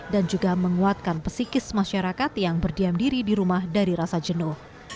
dan juga menguatkan pesikis masyarakat yang berdiam diri di rumah dari rasa jenuh